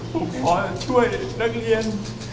ผมขอช่วยนักเรียน